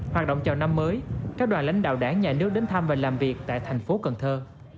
hoạt động chào năm mới các đoàn lãnh đạo đảng nhà nước đến thăm và làm việc tại thành phố cần thơ